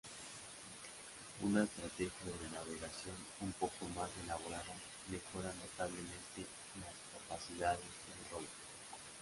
Una estrategia de navegación un poco más elaborada mejora notablemente las capacidades del robot.